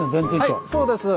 はいそうです。